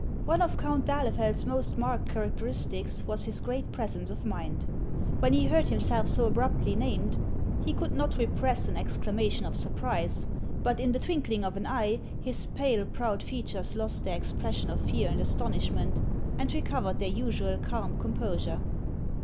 One of Count d'Ahlefeld's most marked characteristics was his great presence of mind. When he heard himself so abruptly named, he could not repress an exclamation 288 HANS OF ICELAND. of surprise ; but in the twinkling of an eye, his pale, proud features lost their expression of fear and astonishment, and recovered their usual calm composure.